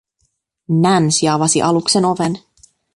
Nancy avasi aluksen oven.